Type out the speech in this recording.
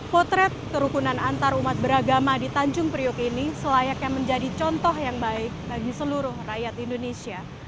potret kerukunan antarumat beragama di tanjung priok ini selayaknya menjadi contoh yang baik bagi seluruh rakyat indonesia